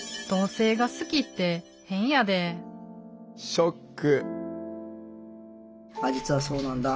ショック。